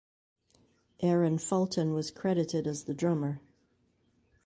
Aaron Fulton was credited as the drummer.